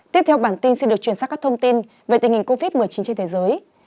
tiếp theo bản tin xin được truyền sát các thông tin về tình hình covid một mươi chín trên thế giới